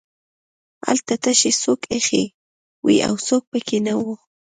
هلته تشې څوکۍ ایښې وې او څوک پکې نه وو